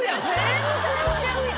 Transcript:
全然ちゃうやん。